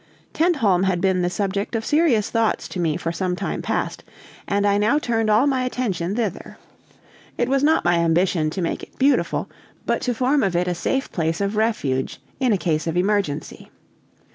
Tentholm had been the subject of serious thoughts to me for some time past, and I now turned all my attention thither. It was not my ambition to make it beautiful, but to form of it a safe place of refuge in a case of emergency.